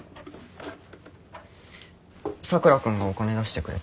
佐倉君がお金出してくれた。